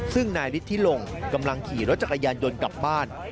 ซึ่งนายฤทธิลงกำลังขี่รถจักรยานยนต์กลับบ้าน